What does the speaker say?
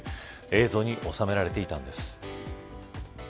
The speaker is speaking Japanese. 映像に収められていたんです。